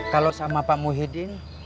kalau sama pak muhyiddin